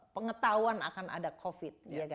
pengetahuan akan ada covid